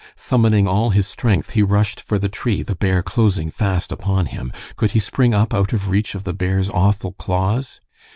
Summoning all his strength he rushed for the tree, the bear closing fast upon him. Could he spring up out of reach of the bear's awful claws?